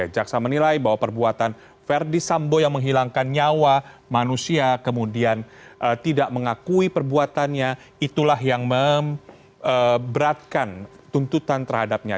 jaksa menilai bahwa perbuatan verdi sambo yang menghilangkan nyawa manusia kemudian tidak mengakui perbuatannya itulah yang memberatkan tuntutan terhadapnya